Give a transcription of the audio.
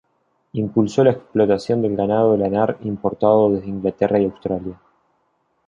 Impulsó la explotación del ganado lanar importado desde Inglaterra y Australia.